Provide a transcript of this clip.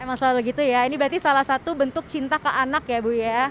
emang selalu gitu ya ini berarti salah satu bentuk cinta ke anak ya bu ya